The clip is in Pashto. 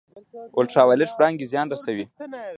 الټرا وایلیټ وړانګې زیان رسوي